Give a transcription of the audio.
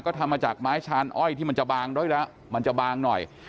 ก็ทำมาจากไม้ชานอ้อยที่มันจะบางด้วยแล้วมันจะบางหน่อย